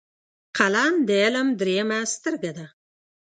قلم د علم دریمه سترګه ده